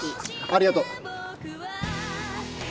ありがとう。